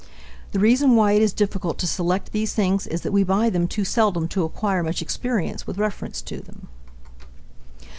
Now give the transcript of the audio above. The reason why it is difficult to select these things is that we buy them too seldom to acquire much experience with reference to them.